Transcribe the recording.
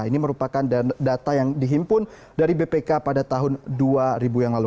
ini merupakan data yang dihimpun dari bpk pada tahun dua ribu yang lalu